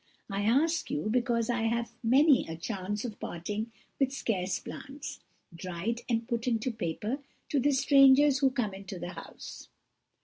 I ask you because I have many a chance of parting with scarce plants, dried and put into paper, to the strangers who come into the house.'